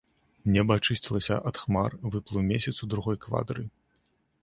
Неба ачысцілася ад хмар, выплыў месяц у другой квадры.